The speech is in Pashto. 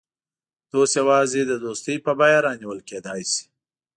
دوست یوازې د دوستۍ په بیه رانیول کېدای شي.